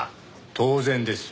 当然です。